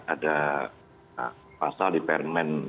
ada pasal di permen